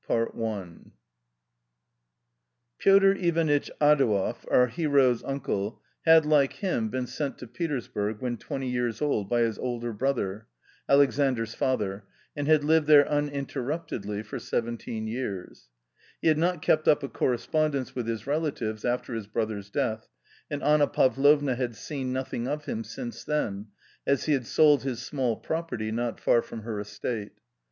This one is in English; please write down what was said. CHAPTER II /iotr Ivanitch Adquev . j>ut frero's uncle, had, like him, w >eeh sent to Petersburg wnen twenty years old by his elder [brother, Alexandr's father, and had lived there uninter ruptedly Jbr seventeen years| He had not kept up a correspondence witETiTs relatives after his brother's death, and Anna Pavlovna had seen nothing of him since then, as he had sold his small property not far from her estate.